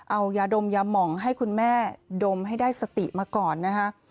เอายาดมยาหม่องให้คุณแม่ดมให้ได้สติมาก่อนนะคะ